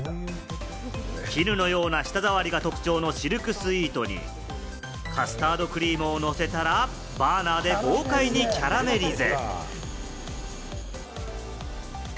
絹のような舌ざわりが特徴のシルクスイートにカスタードクリームをのせたら、バーナーで豪快にキャラメリゼ。